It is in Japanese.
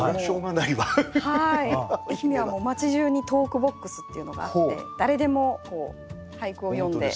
愛媛はもう町じゅうに投句ボックスっていうのがあって誰でもこう俳句を詠んで。